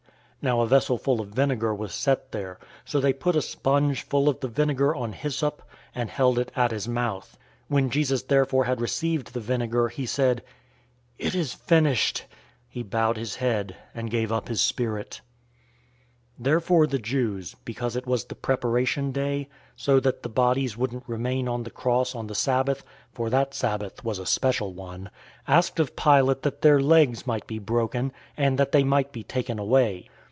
019:029 Now a vessel full of vinegar was set there; so they put a sponge full of the vinegar on hyssop, and held it at his mouth. 019:030 When Jesus therefore had received the vinegar, he said, "It is finished." He bowed his head, and gave up his spirit. 019:031 Therefore the Jews, because it was the Preparation Day, so that the bodies wouldn't remain on the cross on the Sabbath (for that Sabbath was a special one), asked of Pilate that their legs might be broken, and that they might be taken away.